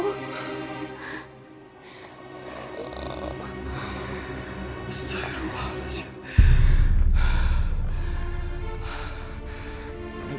oh saya rupanya sih